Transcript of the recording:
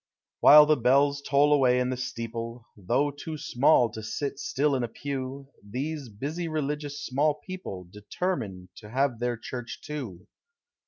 While the bells toll away in the steeple, Though too small to sit still in a pew, These busy religious small people Determine to have their church too.